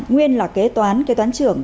nguyên là kế toán kế toán trưởng